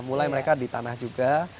mulai mereka di tanah juga